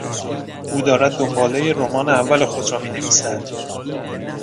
او دارد دنبالهی رمان اول خود را مینویسد.